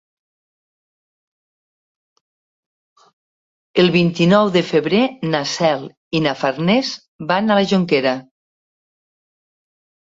El vint-i-nou de febrer na Cel i na Farners van a la Jonquera.